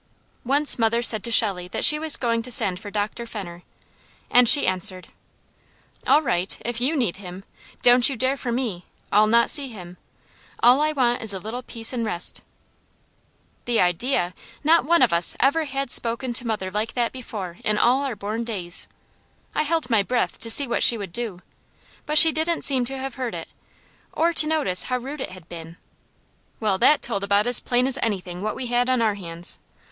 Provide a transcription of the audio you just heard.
Once mother said to Shelley that she was going to send for Dr. Fenner, and she answered: "All right, if you need him. Don't you dare for me! I'll not see him. All I want is a little peace and rest." The idea! Not one of us ever had spoken to mother like that before in all our born days. I held my breath to see what she would do, but she didn't seem to have heard it, or to notice how rude it had been. Well, THAT told about as plain as anything what we had on our hands.